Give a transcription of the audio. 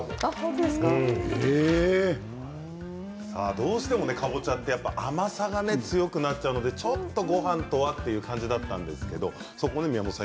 どうしてもかぼちゃって甘さが強くなっちゃうのでちょっとごはんとはという感じだったんですけど宮本さん